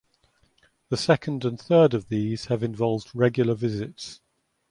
The second and third of these have involved regular visits.